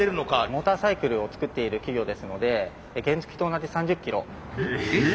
モーターサイクルを作っている企業ですので原付きと同じ３０キロ。え？